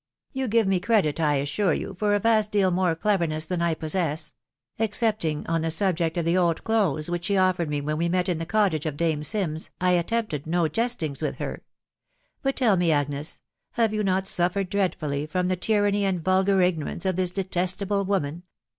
You give me credit, I assure you, for a vast deal more cleverness than I possess : excepting on the subject of the old clothes which she offered me when we met in the cottage of Dame Sims, I attempted no jes tings with her .... But tell me, Agnes, have you not suffered dreadfully from the tyranny and vulgar ignorance of this detestable woman